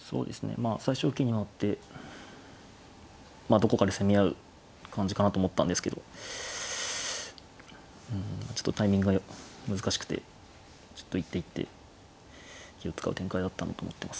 まあ最初受けに回ってどこかで攻め合う感じかなと思ったんですけどうんちょっとタイミングが難しくてちょっと一手一手気を遣う展開だったなと思ってます。